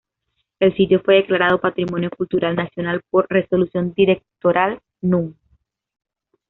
El sitio fue declarado Patrimonio Cultural Nacional por "Resolución Directoral" Núm.